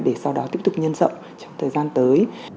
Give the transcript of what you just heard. để sau đó tiếp tục nhân rộng trong thời gian tới